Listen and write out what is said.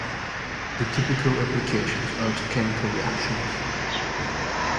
The typical applications are to chemical reactions.